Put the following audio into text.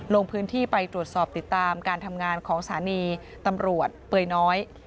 ลงพื้นที่ไปตรวจสอบติดตามการทำงานของสถานีตำรวจเปยน้อย